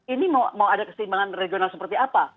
ini mau ada keseimbangan regional seperti apa